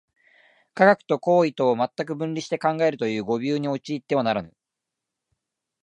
科学と行為とを全く分離して考えるという誤謬に陥ってはならぬ。